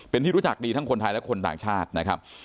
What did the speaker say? เป็นที่รู้จักดีทั้งคนไทยและคนต่างชาตินะครับ